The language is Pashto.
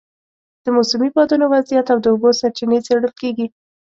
د موسمي بادونو وضعیت او د اوبو سرچینې څېړل کېږي.